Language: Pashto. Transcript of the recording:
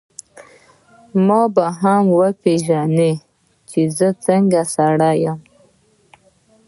ما به هم وپېژنې چي زه څنګه سړی یم.